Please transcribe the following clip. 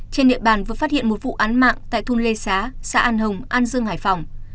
trên địa bàn vừa phát hiện một vụ án mạng tại thôn lê xá xã an hồng an dương hải phòng